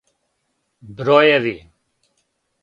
Бројеви